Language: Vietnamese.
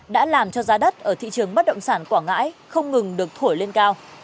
đã làm cho giá đất ở thị trường bất động sản quảng ngãi không ngừng được thổi lên cao